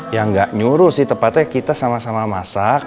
ya nggak nyuruh sih tepatnya kita sama sama masak